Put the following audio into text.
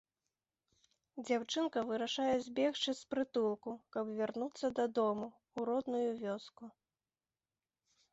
Дзяўчынка вырашае збегчы з прытулку, каб вярнуцца дадому, у родную вёску.